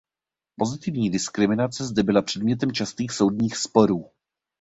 Pozitivní diskriminace zde byla předmětem častých soudních sporů.